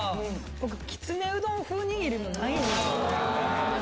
僕きつねうどん風にぎりもないんですよね